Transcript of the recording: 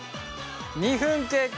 ２分経過。